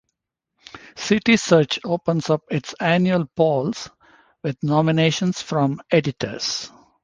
Citysearch opens up its annual polls with nominations from editors.